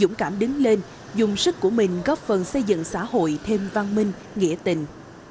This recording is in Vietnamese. dũng cảm đứng lên dùng sức của mình góp phần xây dựng xã hội thêm văn minh nghĩa tình